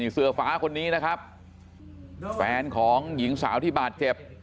เสื้อฟ้าคนนี้นะครับแฟนของหญิงสาวที่บาดเจ็บ